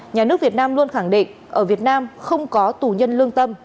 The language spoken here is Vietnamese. nhà nước việt nam luôn khẳng định ở việt nam không có tù nhân lương tâm